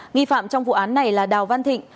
nghi phạm trong vụ án này là đào văn thịnh